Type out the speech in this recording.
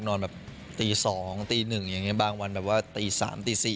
นอนตีตี๑บางวันตี๓ตี๔